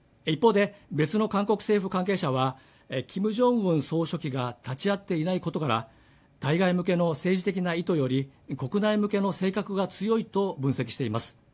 一方で別の韓国政府関係者はキム・ジョンウン総書記が立ち会っていないことから対外向けの政治的な意図より国内向けの性格が強いと分析しています